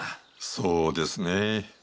そうですね。